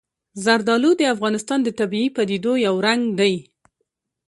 زردالو د افغانستان د طبیعي پدیدو یو رنګ دی.